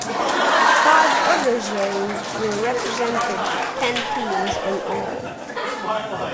Five other zones were represented, ten teams in all.